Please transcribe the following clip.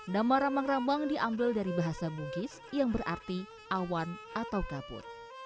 nama rambang rambang diambil dari bahasa mungkis yang berarti awan atau kaput